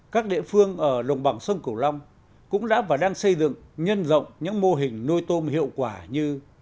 các địa phương ở đồng bằng sông cửu long cũng đã và đang xây dựng nhân rộng những mô hình nuôi tôm hiệu quả như